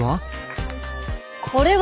これは。